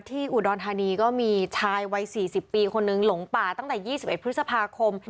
ที่อุดรธานีก็มีชายวัย๔๐ปีคนนึงหลงป่าตั้งแต่๒๑พฤษภาคม